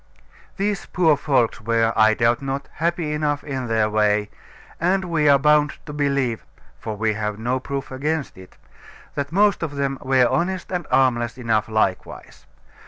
These poor folks were, I doubt not, happy enough in their way; and we are bound to believe (for we have no proof against it), that most of them were honest and harmless enough likewise.